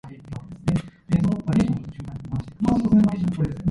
The All India President of the organisation is Doctor B. R. Manjunath.